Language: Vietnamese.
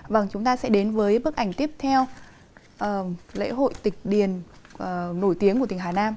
vâng chúng ta sẽ đến với bức ảnh tiếp theo lễ hội tịch điền nổi tiếng của tỉnh hà nam